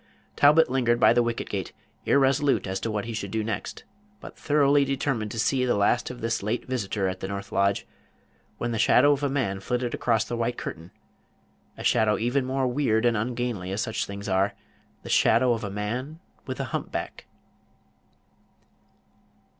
Talbot lingered by the wicket gate, irresolute as to what he should do next, but thoroughly determined to see the last of this late visitor at the north lodge, when the shadow of a man flitted across the white curtain a shadow even more weird and ungainly than such things are the shadow of a man with a humpback!